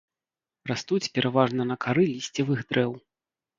Растуць пераважна на кары лісцевых дрэў.